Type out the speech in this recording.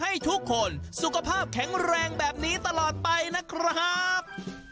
ให้ทุกคนสุขภาพแข็งแรงแบบนี้ตลอดไปนะครับ